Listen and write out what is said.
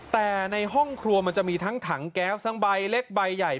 แต่ในห้องครัวมันจะมีทั้งถังแก๊สทั้งใบเล็กใบใหญ่